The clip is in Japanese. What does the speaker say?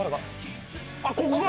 あっここか！